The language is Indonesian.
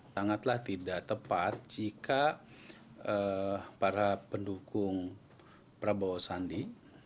sangatlah tidak tepat jika para pendukung prabowo sandi